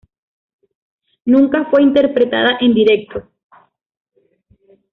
Nunca fue interpretada en directo.